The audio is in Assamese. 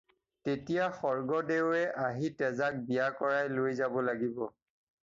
তেতিয়া স্বৰ্গদেৱে আহি তেজাক বিয়া কৰাই লৈ যাব লাগিব।